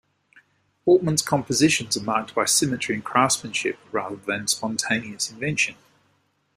Hauptmann's compositions are marked by symmetry and craftsmanship rather than spontaneous invention.